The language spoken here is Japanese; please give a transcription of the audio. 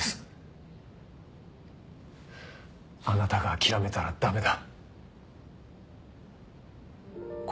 あなたが諦めたら駄目だ。